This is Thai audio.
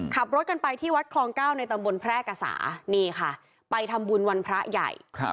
ขับรถกันไปที่วัดคลองเก้าในตำบลแพร่กษานี่ค่ะไปทำบุญวันพระใหญ่